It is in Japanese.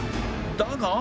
だが